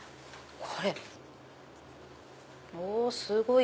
これおすごい！